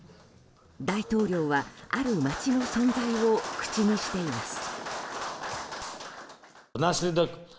大統領はある街の存在を口にしています。